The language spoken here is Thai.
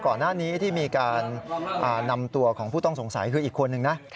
ก่อนหน้านี้ที่มีการนำตัวของผู้ต้องสงสัยคืออีกคนนึงนะ